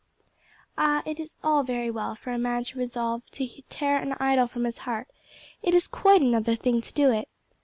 Ah! it is all very well for a man to resolve to tear an idol from his heart; it is quite another thing to do it.